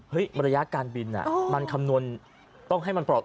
ระยะการบินมันคำนวณต้องให้มันปลอด